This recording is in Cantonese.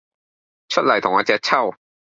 出黎同我隻揪!